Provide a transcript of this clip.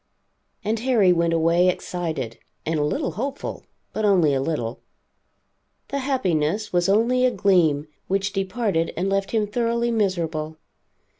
And Harry went away, excited, and a little hopeful, but only a little. The happiness was only a gleam, which departed and left him thoroughly miserable.